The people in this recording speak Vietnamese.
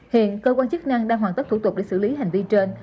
hiện cơ quan chức năng đang hoàn tất thủ tục để xử lý hành vi trên